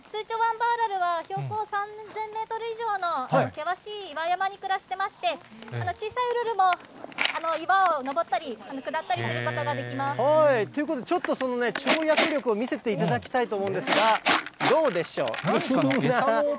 バーラルは標高３０００メートル以上の険しい岩山に暮らしてまして、小さいウルルも岩を登ったり下ったりすることができます。ということで、ちょっと跳躍力を見せていただきたいと思うんですが、どうでしょう？